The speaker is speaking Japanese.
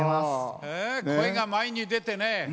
声が前に出てね